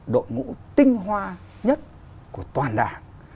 đội ngũ tinh hoa nhất của toàn đảng